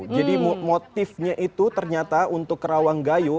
jadi motifnya itu ternyata untuk kerawang kayu